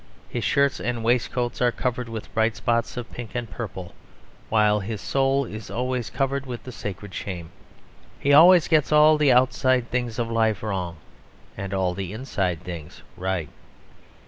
His shirts and waistcoats are covered with bright spots of pink and purple, while his soul is always covered with the sacred shame. He always gets all the outside things of life wrong, and all the inside things right.